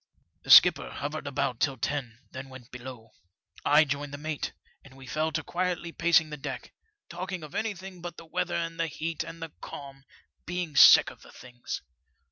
The skipper hovered about till ten, then went below. I joined the mate, and we fell to quietly pacing the deck, talking of anything but the weather and the heat, and the calm, being sick of the things.